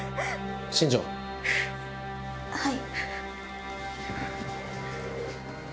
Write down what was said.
はい。